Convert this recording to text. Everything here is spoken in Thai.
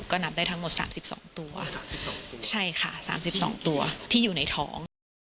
ก็นับได้ทั้งหมดสามสิบสองตัวสามสิบสองตัวใช่ค่ะสามสิบสองตัวที่อยู่ในท้อง